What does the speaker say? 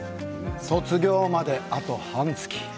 卒業まであと半月。